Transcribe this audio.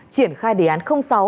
triển khai đề án sáu